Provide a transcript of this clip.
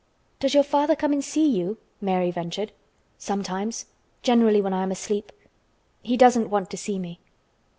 "Does your father come and see you?" Mary ventured. "Sometimes. Generally when I am asleep. He doesn't want to see me."